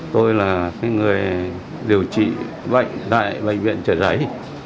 tôi là người điều trị tại bệnh viện trợ rẫy